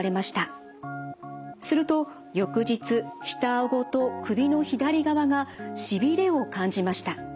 すると翌日下顎と首の左側がしびれを感じました。